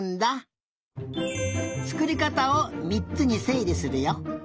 つくりかたをみっつにせいりするよ。